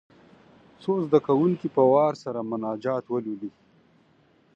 څو زده کوونکي په وار سره مناجات ولولي.